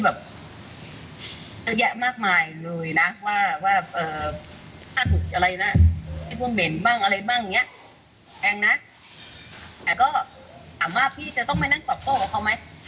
แต่ก็ถามว่าพี่จะต้องมานั่งต่อกับเขาไหม